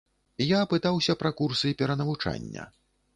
Я пытаўся пра курсы перанавучання.